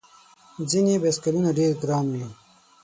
ځینې بایسکلونه ډېر ګران وي.